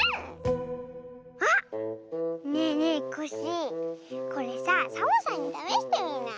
あっねえねえコッシーこれさサボさんにためしてみない？